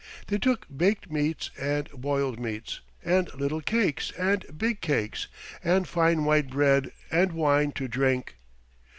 They took baked meats and boiled meats, and little cakes and big cakes, and fine white bread, and wine to drink.